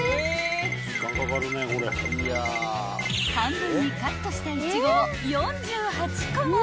［半分にカットしたイチゴを４８個も］